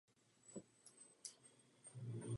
Cílem bylo zvýšení ekonomického růstu a zaměstnanosti.